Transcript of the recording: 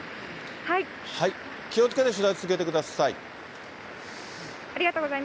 気をつけて取材を続けてください。